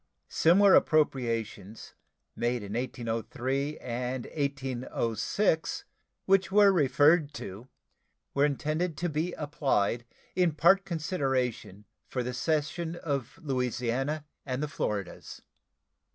Similar appropriations made in 1803 and 1806, which were referred to, were intended to be applied in part consideration for the cession of Louisiana and the Floridas.